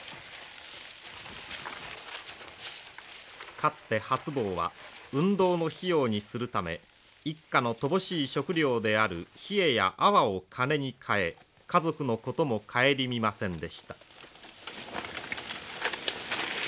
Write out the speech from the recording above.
かつて初坊は運動の費用にするため一家の乏しい食料であるヒエやアワを金に換え家族のことも顧みませんでした。